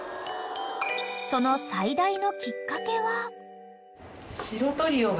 ［その最大のきっかけは？］